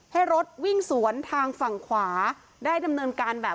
ให้รถวิ่งสวนทางฝั่งขวาได้ดำเนินการแบบ